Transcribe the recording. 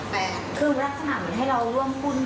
แฟนเราเป็นคนที่พูดจาบ้านบ้านค่ะ